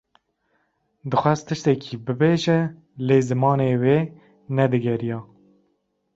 Dixwest tiştekî bibêje; lê zimanê wê ne digeriya.